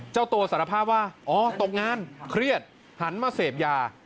เจ้าตัวสารภาพว่าอ๋อตกงานเครียดหันมาเสพยา